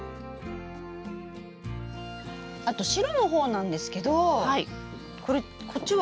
あと白の方なんですけどこれこっちは？